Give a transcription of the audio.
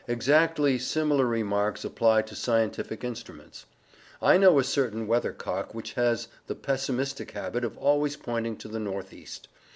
Exactly similar remarks apply to scientific instruments. I know a certain weather cock which has the pessimistic habit of always pointing to the north east.